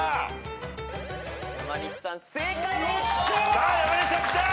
さあ山西さんきた！